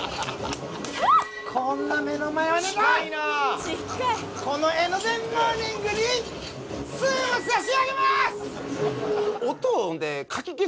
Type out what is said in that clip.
こんな目の前を近いな近いこの江ノ電モーニングにすーを差し上げます！